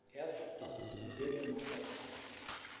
Er wurde dann als Immobilienmakler tätig.